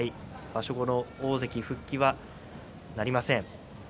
場所後の大関復帰はなりません。